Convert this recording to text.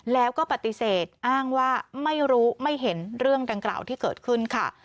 แล้วก็ปฏิเสธอ้างว่าไม่รู้ไม่เห็นเรื่องดังกล่าวที่เกิดขึ้นค่ะ